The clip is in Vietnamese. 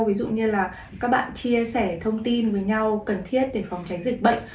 ví dụ như là các bạn chia sẻ thông tin với nhau cần thiết để phòng tránh dịch bệnh